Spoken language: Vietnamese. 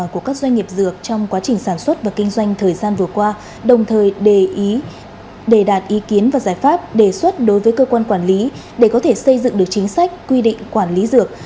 các doanh nghiệp dược trong quá trình sản xuất và kinh doanh thời gian vừa qua đồng thời đề đạt ý kiến và giải pháp đề xuất đối với cơ quan quản lý để có thể xây dựng được chính sách quy định quản lý dược